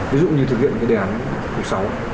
ví dụ như thực hiện cái đề án cuộc sáu